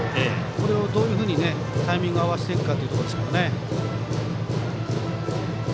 これをどういうふうにタイミング合わせていくかですね。